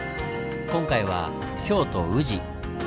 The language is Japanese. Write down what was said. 今回は京都・宇治。